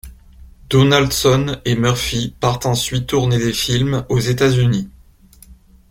Donaldson et Murphy partent ensuite tourner des films aux États-Unis.